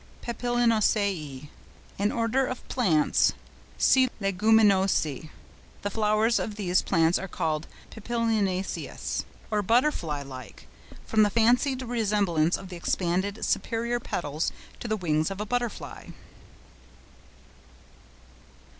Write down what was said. PAPILIONACEÆ.—An order of plants (see LEGUMINOSÆ), The flowers of these plants are called papilionaceous, or butterfly like, from the fancied resemblance of the expanded superior petals to the wings of a butterfly.